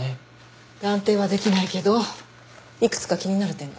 断定はできないけどいくつか気になる点が。